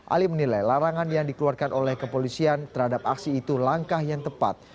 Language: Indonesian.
ali menilai larangan yang dikeluarkan oleh kepolisian terhadap aksi itu langkah yang tepat